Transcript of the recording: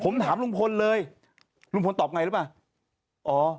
ผมถามลุงพลเลยลุงพลตอบไงหรือเปล่าอ๋อ